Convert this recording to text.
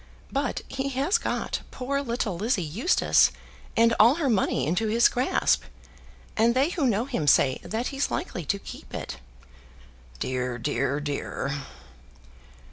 But he has got poor little Lizzie Eustace and all her money into his grasp, and they who know him say that he's likely to keep it." "Dear, dear, dear!"